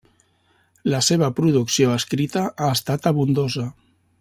La seva producció escrita ha estat abundosa.